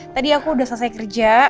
tadi aku udah selesai kerja